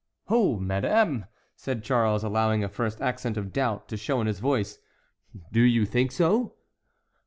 "Oh, madame!" said Charles, allowing a first accent of doubt to show in his voice, "do you think so?"